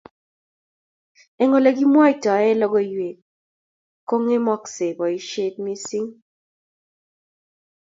Eng Ole kimwoitoe logoiwek kongemoksei boisiet missing